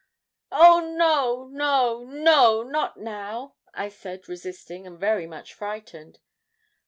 'Oh! no, no, no not now,' I said, resisting, and very much frightened.